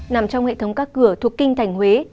nằm trong hệ thống các cửa thuộc kinh thành huế